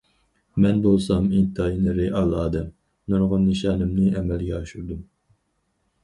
مەن بولسام ئىنتايىن رېئال ئادەم، نۇرغۇن نىشانىمنى ئەمەلگە ئاشۇردۇم.